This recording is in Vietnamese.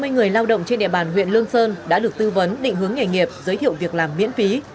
một trăm năm mươi người lao động trên đề bàn huyện lương sơn đã được tư vấn định hướng nghề nghiệp giới thiệu việc làm miễn phí